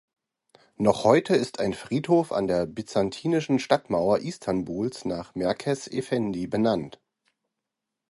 Noch heute ist ein Friedhof an der byzantinischen Stadtmauer Istanbuls nach Merkez Efendi benannt.